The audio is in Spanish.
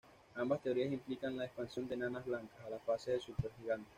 Ambas teorías implican la expansión de enanas blancas a la fase de supergigante.